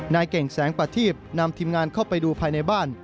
นายเก่งแสงประทีบนำทีมงานเข้าไปดูภายในบ้าน